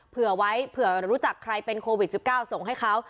เผื่อไว้เผื่อรู้จักใครเป็นโควิด๑๙ส่งให้เขา